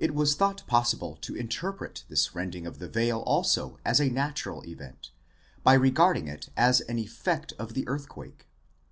It was thought possible to interpret this rending of the veil also as a natural event, by regard ing it as an effect of the earthquake.